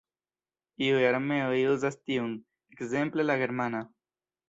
Iuj armeoj uzas tiun, ekzemple la Germana.